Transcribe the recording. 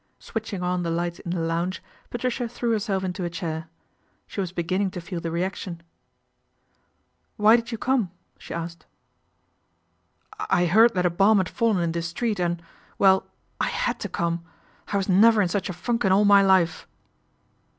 Switching on the light in the lounge, Patricia threw herself into a chair. She was beginning to feel the reaction. ' Why did you come ?" she asked. " I heard that a bomb had fallen in this street and well, I had to come. I was never in such a funk in all my life."